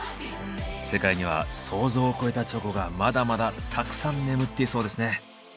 世界には想像を超えたチョコがまだまだたくさん眠っていそうですね。